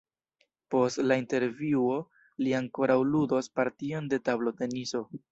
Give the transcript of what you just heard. Post la intervjuo li ankoraŭ ludos partion de tabloteniso.